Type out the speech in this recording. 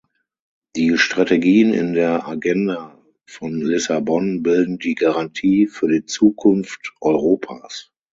Die Strategien in der Agenda von Lissabon bilden die Garantie für die Zukunft Europas.